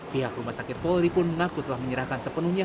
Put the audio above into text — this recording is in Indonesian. pihak rumah sakit polri pun menakutlah menyerahkan sepenuhnya